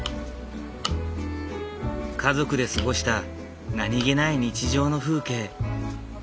家族で過ごした何気ない日常の風景。